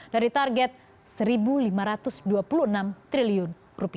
dari target rp satu lima ratus dua puluh enam triliun